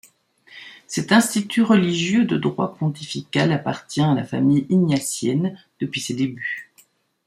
Cet institut religieux de droit pontifical appartient à la famille ignatienne depuis ses débuts.